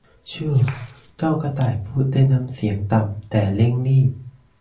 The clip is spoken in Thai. ชู่ว เจ้ากระต่ายพูดด้วยน้ำเสียงต่ำแต่เร่งรีบ